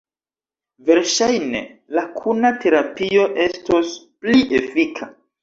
Verŝajne, la kuna terapio estos pli efika.